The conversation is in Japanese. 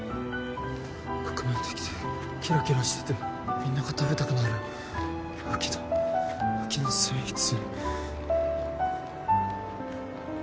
革命的でキラキラしててみんなが食べたくなる秋の秋のスイーツ。